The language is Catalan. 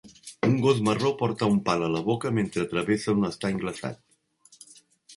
Un gos marró porta un pal a la boca mentre travessa un estany glaçat.